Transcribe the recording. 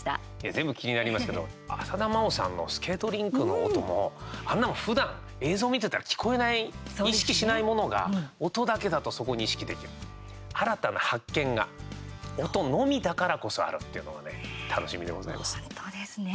全部気になりますけど浅田真央さんのスケートリンクの音も、あんなのふだん映像見てたら聞こえない意識しないものが音だけだとそこに意識できる新たな発見が、音のみだからこそあるっていうのがね本当ですね。